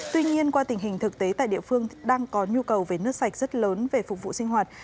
tuy nhiên qua tình hình thực tế tại địa phương đang có nhu cầu về nước sạch rất lớn về phục vụ sinh hoạt